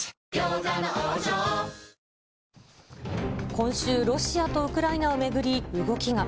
今週、ロシアとウクライナを巡り、動きが。